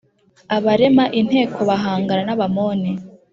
abarema inteko bahangana n’Abamoni.